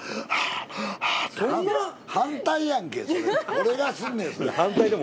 俺がすんねんそれ。